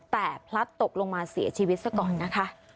แต่พลัดตกลงมาเสียชีวิตซะก่อนนะคะ